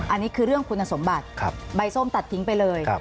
อันนี้คือเรื่องคุณสมบัติใบส้มตัดทิ้งไปเลย